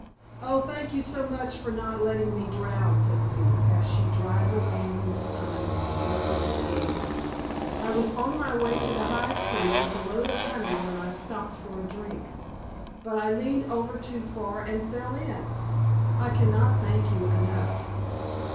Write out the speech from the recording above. "Oh, thank you so much for not letting me drown," said the bee, as she dried her wings in the sun on a big green leaf. "I was on my way to the hive tree with a load of honey when I stopped for a drink. But I leaned over too far and fell in. I can not thank you enough!"